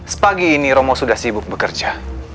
sepagi ini romo sudah sibuk bekerja